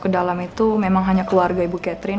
kedalam itu memang hanya keluarga ibu catherine